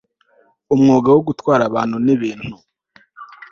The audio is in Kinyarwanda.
umwuga wo gutwara abantu n'ibintu